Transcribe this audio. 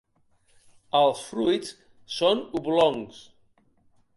Els fruits són oblongs.